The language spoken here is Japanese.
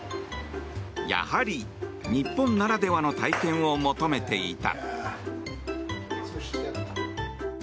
やはり日本ならではの体験を求めていた。